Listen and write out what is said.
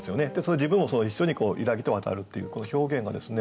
自分も一緒に「ゆらぎと渡る」っていうこの表現がですね